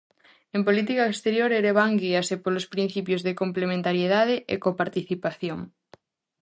En política exterior, Ereván guíase polos principios de complementariedade e co-participación.